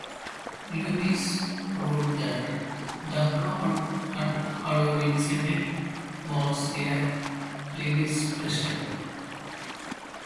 Lewis wrote that "the guard at Holloway said it was a "ladies"' prison!